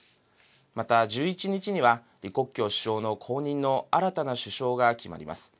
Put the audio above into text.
また１１日には李克強首相の後任の、新たな首相が決まります。